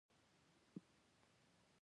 لرغوني پښتانه، شېخ کټه اثر دﺉ.